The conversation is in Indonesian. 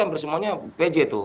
hampir semuanya pj tuh